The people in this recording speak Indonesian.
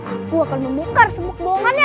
aku akan membukar semuk bohongannya